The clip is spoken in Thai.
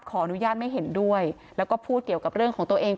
ขออนุญาตไม่เห็นด้วยแล้วก็พูดเกี่ยวกับเรื่องของตัวเอง